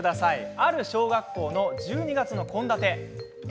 ある小学校の１２月の献立。